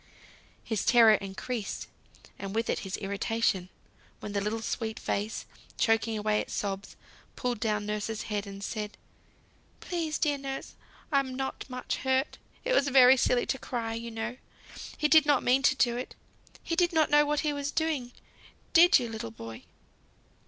His terror increased, and with it his irritation; when the little sweet face, choking away its sobs, pulled down nurse's head and said, "Please, dear nurse, I'm not much hurt; it was very silly to cry, you know. He did not mean to do it. He did not know what he was doing, did you, little boy?